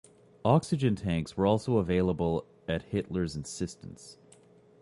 Oxygen tanks were also available at Hitler's insistence.